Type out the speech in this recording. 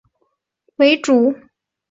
资兴的农业以生产稻谷为主。